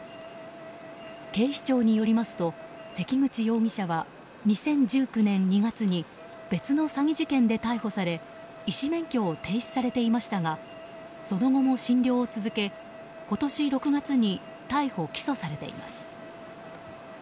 警視庁によりますと関口容疑者は２０１９年２月に別の詐欺事件で逮捕され医師免許を停止されていましたがその後も診療を続け今年６月に逮捕・起訴されています。